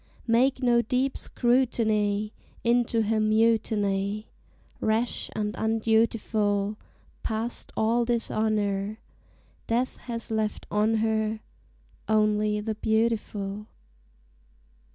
Make no deep scrutiny Into her mutiny, Rash and undutiful; Past all dishonor, Death has left on her Only the beautiful.